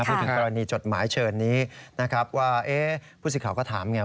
พูดถึงกรณีจดหมายเชิญนี้นะครับว่าผู้สื่อข่าวก็ถามไง